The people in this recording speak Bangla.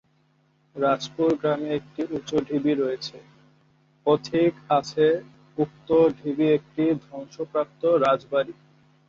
রাজাপুর গ্রামে একটি উঁচু ঢিবি রয়েছে, কথিত আছে উক্ত ঢিবি একটি ধ্বংসপ্রাপ্ত রাজবাড়ী।